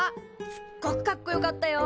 すっごくかっこよかったよ！